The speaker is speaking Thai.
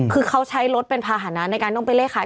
คือเขาใช้รถเป็นภาษณะในการต้องไปเลขขาย